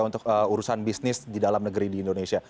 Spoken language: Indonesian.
untuk urusan bisnis di dalam negeri di indonesia